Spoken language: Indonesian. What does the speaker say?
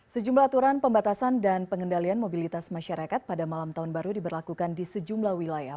sejumlah aturan pembatasan dan pengendalian mobilitas masyarakat pada malam tahun baru diberlakukan di sejumlah wilayah